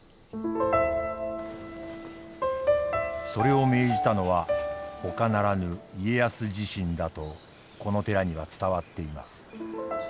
それを命じたのはほかならぬ家康自身だとこの寺には伝わっています。